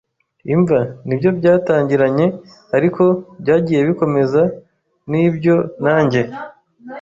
imva! Nibyo byatangiranye, ariko byagiye bikomeza'n ibyo; nanjye